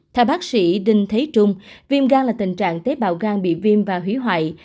theo bác sĩ đinh thế trung viêm gan là tình trạng tế bào gan bị viêm và hủy hoại